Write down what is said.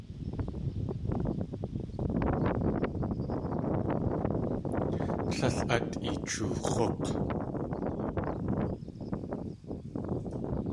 Líl at eechoox̲úk̲!